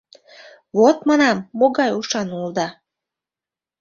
— Вот, манам, могай ушан улыда!